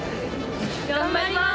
頑張ります！